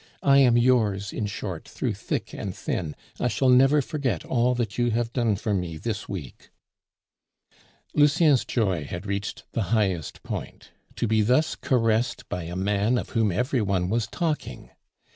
I am yours, in short, through thick and thin; I shall never forget all that you have done for me this week." Lucien's joy had reached the highest point; to be thus caressed by a man of whom everyone was talking!